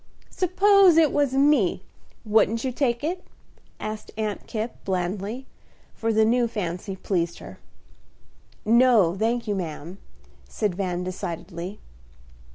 "Suppose it was me, wouldn't you take it?" asked Aunt Kipp, blandly, for the new fancy pleased her. "No, thank you, ma'am," said Van, decidedly.